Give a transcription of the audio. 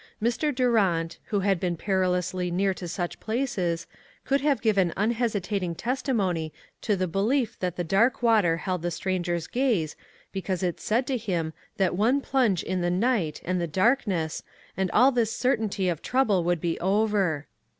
Mr. Du rant, who had been perilously near to such places, could have given unhesitating testi mony to the belief that the dark water held the stranger's gaze, because it said to him that one plunge in the night and the STORM AND CALM. 359 darkness, and all this certainty of trouble would be over.